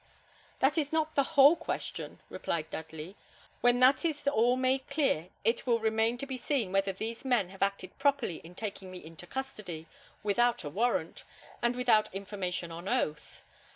"That is not the whole question," replied Dudley. "When that is all made clear, it will remain to be seen whether these men have acted properly in taking me into custody without a warrant, and without information on oath.